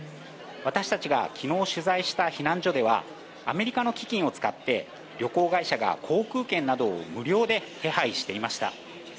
私たちが昨日取材した避難所ではアメリカの基金を使って旅行会社が航空券などを無料で手配していました。